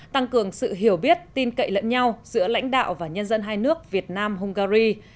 tăng cường sự hiểu biết tin cậy lẫn nhau giữa lãnh đạo và nhân dân hai nước việt nam hungary